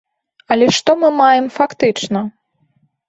Але што мы маем фактычна?